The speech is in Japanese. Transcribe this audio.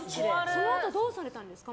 そのあとどうされたんですか？